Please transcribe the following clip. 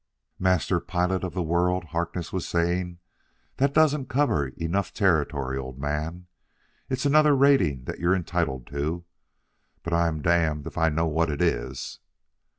"Master Pilot of the World!" Harkness was saying. "That doesn't cover enough territory, old man. It's another rating that you're entitled to, but I'm damned if I know what it is."